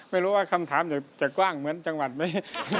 ไม่รู้ว่าคำถามจะกว้างเหมือนจังหวัดไหม